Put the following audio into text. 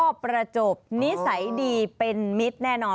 ก็ประจบนิสัยดีเป็นมิตรแน่นอน